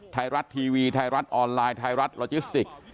ไทยรัฐทีวีไทยรัฐออนไลน์ไทยรัฐโลจิสติก